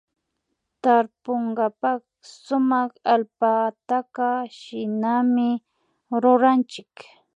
Tarpunkapak sumak allpataka shinami ruranchik